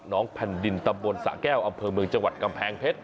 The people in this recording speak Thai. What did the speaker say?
น้องแผ่นดินตำบลสะแก้วอำเภอเมืองจังหวัดกำแพงเพชร